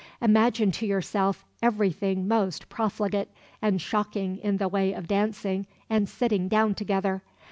Imagine to yourself everything most profligate and shocking in the way of dancing and sitting down together.